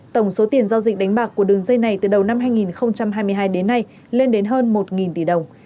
tổng số tiền giao dịch đánh bạc của đường dây này từ đầu năm hai nghìn hai mươi hai đến nay lên đến hơn một tỷ đồng